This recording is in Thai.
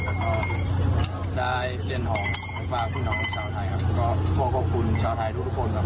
และก็ได้เปลี่ยนหอมภาพขึ้นหอมของชาวไทยครับก็ขอบคุณชาวไทยทุกคนครับ